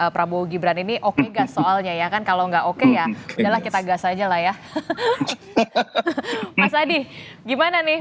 prabowo gibran ini oke gas soalnya ya kan kalau enggak oke ya udahlah kita gas aja lah ya mas adi gimana nih